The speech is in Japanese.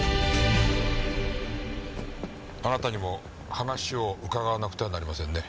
あなたにも話を伺わなくてはなりませんね。